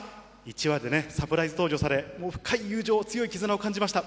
１話でサプライズ登場され、もう深い友情、強い絆を感じました。